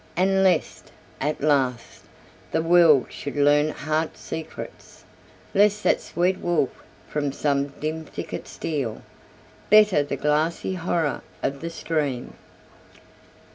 And lest, at last, the world should learn heart secrets; Lest that sweet wolf from some dim thicket steal; Better the glassy horror of the stream.